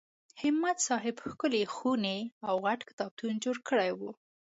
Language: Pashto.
همت صاحب ښکلې خونې او غټ کتابتون جوړ کړی و.